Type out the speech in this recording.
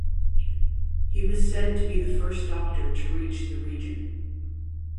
He was said to be the first doctor to reach the region.